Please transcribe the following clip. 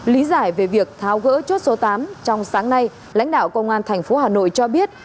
lý giải về việc tháo gỡ chốt số tám trong sáng nay lãnh đạo công an thành phố hà nội cho biết